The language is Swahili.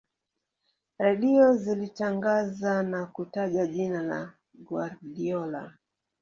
redio zilitangaza na kutaja jina la guardiola